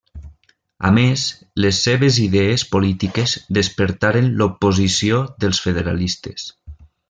A més, les seves idees polítiques despertaren l'oposició dels federalistes.